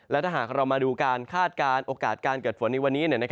และถ้าหากเรามาดูการคาดการณ์โอกาสการเกิดฝนในวันนี้